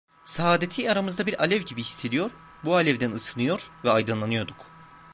Saadeti aramızda bir alev gibi hissediyor, bu alevden ısınıyor ve aydınlanıyorduk…